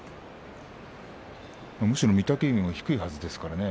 むしろ御嶽海も低いはずですからね。